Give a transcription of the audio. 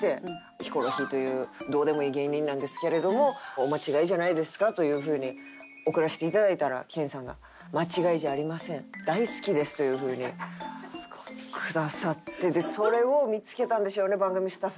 「ヒコロヒーというどうでもいい芸人なんですけれどもお間違いじゃないですか？」というふうに送らせて頂いたら研さんが「間違いじゃありません」「大好きです」というふうにくださって。という事で。